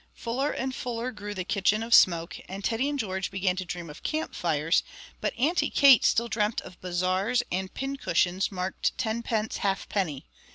Fuller and fuller grew the kitchen of smoke, and Teddy and George began to dream of camp fires, but Auntie Kate still dreamt of bazaars and pincushions marked tenpence halfpenny.